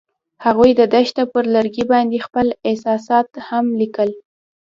هغوی د دښته پر لرګي باندې خپل احساسات هم لیکل.